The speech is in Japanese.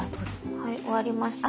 はい終わりました。